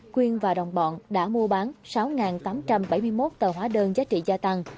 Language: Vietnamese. quyên và đồng bọn đã mua bán sáu tám trăm bảy mươi một tờ hóa đơn giá trị gia tăng